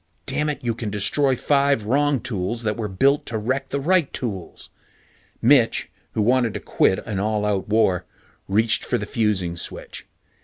Dammit! You can destroy five wrong tools that were built to wreck the right tools. Mitch, who wanted to quit an all out war, reached for the fusing switch.